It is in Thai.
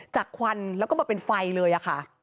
ควันแล้วก็มาเป็นไฟเลยค่ะ